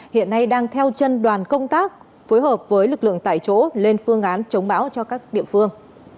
hiện nay đang theo chân đoàn công tác phối hợp với lực lượng tại chỗ lên phương án chống bão cho các địa phương